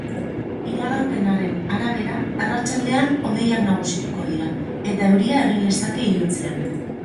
Iragarpenaren arabera, arratsaldean hodeiak nagusituko dira eta euria egin lezake iluntzean.